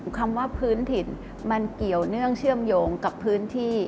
คำว่าพื้นถิ่นมันเกี่ยวเนื่องเชื่อมโยงกับพื้นที่